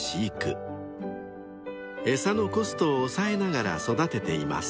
［餌のコストを抑えながら育てています］